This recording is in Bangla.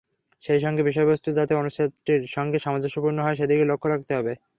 সেই সঙ্গে বিষয়বস্তু যাতে অনুচ্ছেদটির সঙ্গে সামঞ্জস্যপূর্ণ হয়, সেদিকে লক্ষ রাখতে হবে।